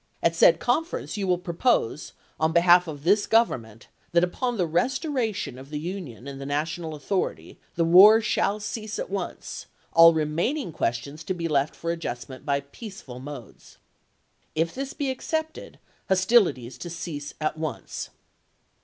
At said conference you will propose, on behalf of this Gov ernment, that upon the restoration of the Union and the national authority, the war shall cease at once, all remaining questions to be left for adjust ment by peaceful modes. If this be accepted, hos tilities to cease at once.